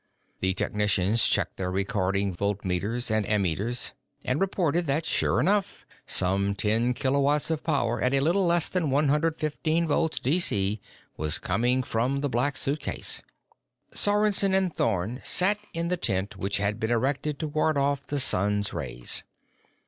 The technicians checked their recording voltmeters and ammeters and reported that, sure enough, some ten kilowatts of power at a little less than one hundred fifteen volts D.C. was coming from the Black Suitcase. Sorensen and Thorn sat in the tent which had been erected to ward off the sun's rays.